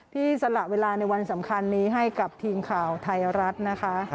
สละเวลาในวันสำคัญนี้ให้กับทีมข่าวไทยรัฐนะคะ